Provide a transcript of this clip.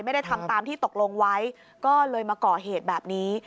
ไม่ได้ทำตามที่ตกลงไว้ก็เลยมาก่อเหตุแบบนี้